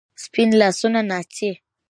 سپین لاسونه ناڅي